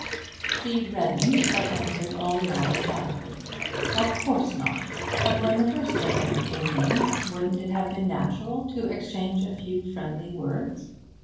She reddened, but answered all the more emphatically. 'Of course not. But, when the first gentleman came in, wouldn't it have been natural to exchange a few friendly words?